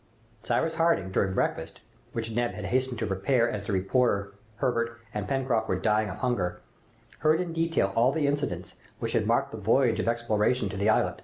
Cyrus Harding, during breakfast, which Neb had hastened to prepare, as the reporter, Herbert, and Pencroft were dying of hunger, heard in detail all the incidents which had marked the voyage of exploration to the islet.